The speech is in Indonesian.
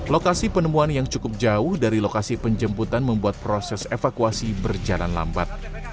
lokasi penemuan yang cukup jauh dari lokasi penjemputan membuat proses evakuasi berjalan lambat